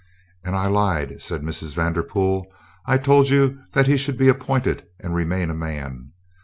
"And I lied," said Mrs. Vanderpool. "I told you that he should be appointed and remain a man.